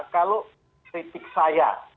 kalau kritik saya